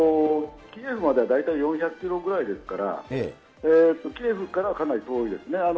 キエフまでは大体４００キロぐらいですから、キエフからはかなり遠いですね。